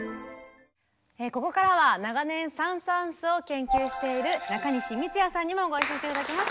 ここからは長年サン・サーンスを研究している中西充弥さんにもご一緒して頂きます。